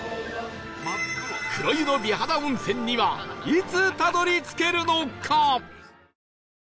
黒湯の美肌温泉にはいつたどり着けるのか？